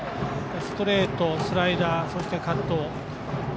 ストレート、スライダーそしてカット。